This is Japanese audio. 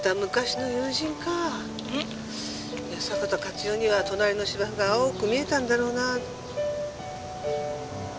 いや迫田勝代には隣の芝生が青く見えたんだろうな。